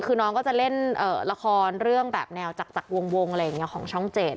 คือน้องก็จะเล่นละครเรื่องแบบแนวจากวงอะไรอย่างนี้ของช่อง๗